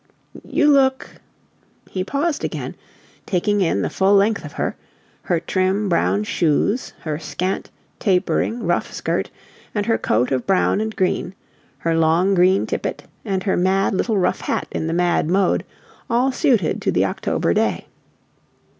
"You look " He paused again, taking in the full length of her her trim brown shoes, her scant, tapering, rough skirt, and her coat of brown and green, her long green tippet and her mad little rough hat in the mad mode all suited to the October day.